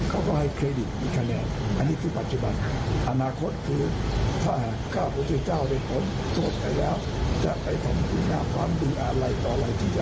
เรามันยืนยันด้วยนะคะทว่าตอนนี้คุณนักศิลป์ยังรักษาตัวอยู่ที่โรงพยาบาลตำรวจ